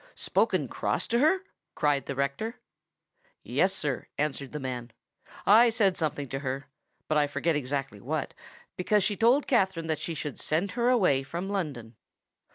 "Spoken cross to her!" cried the rector. "Yes, sir," answered the man; "I said something to her—but I forget exactly what—because she told Katherine that she should send her away from London."